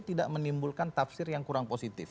tidak menimbulkan tafsir yang kurang positif